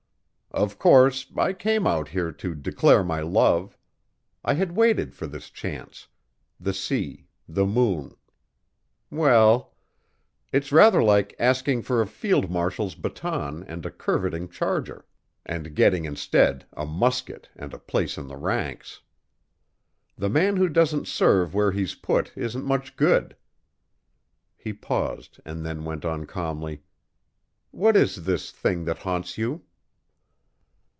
"Of course, I came out here to declare my love. I had waited for this chance ... the sea ... the moon well! It's rather like asking for a field marshal's baton and a curveting charger and getting instead a musket and place in the ranks. The man who doesn't serve where he's put isn't much good...." He paused and then went on calmly, "What is this thing that haunts you?"